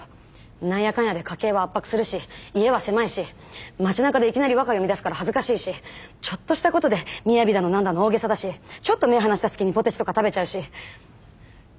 何やかんやで家計は圧迫するし家は狭いし街なかでいきなり和歌詠みだすから恥ずかしいしちょっとしたことで雅だの何だの大げさだしちょっと目離した隙にポテチとか食べちゃうし。